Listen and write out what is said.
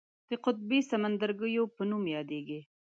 د قطبي سمندرګیو په نوم یادیږي.